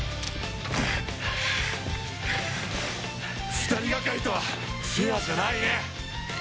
２人がかりとはフェアじゃないね。